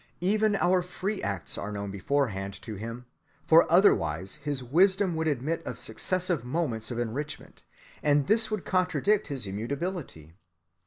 Even our free acts are known beforehand to Him, for otherwise his wisdom would admit of successive moments of enrichment, and this would contradict his immutability.